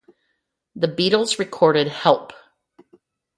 The Beatles recorded Help!